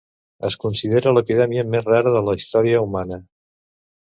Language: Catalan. Es considera l'epidèmia més rara de la història humana.